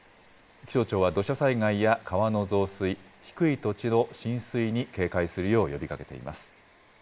気象庁は土砂災害や川の増水、低い土地の浸水に警戒するよう呼びかけています。